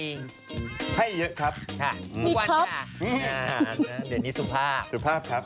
ให้เยอะครับ